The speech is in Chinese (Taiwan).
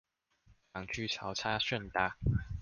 港區潮差甚大